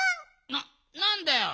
ななんだよ。